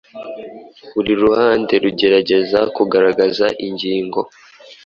Buri ruhande rugerageza kugaragaza ingingo